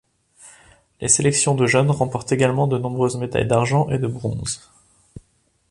Les sélections de jeunes remportent également de nombreuses médailles d'argent et de bronze.